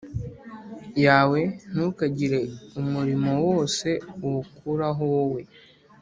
yawe Ntukagire umurimo wose uwukoraho wowe